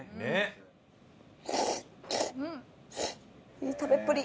いい食べっぷり！